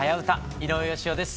井上芳雄です。